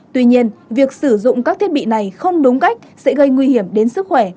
tuy nhiên việc sử dụng các thiết bị này không đúng cách sẽ gây nguy hiểm đến sức khỏe